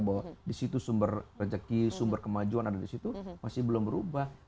bahwa di situ sumber rezeki sumber kemajuan ada di situ masih belum berubah